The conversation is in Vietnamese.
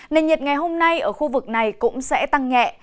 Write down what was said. nền nhiệt ngày hôm nay ở khu vực này cũng sẽ tăng nhẹ